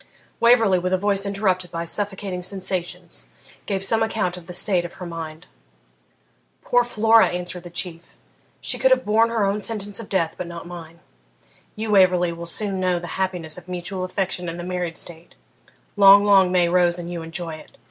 Waverley, with a voice interrupted by suffocating sensations, gave some account of the state of her mind. 'Poor Flora!' answered the Chief, 'she could have borne her own sentence of death, but not mine. You, Waverley, will soon know the happiness of mutual affection in the married state long, long may Rose and you enjoy it!